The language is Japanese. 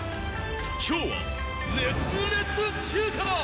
今日は熱烈中華だ。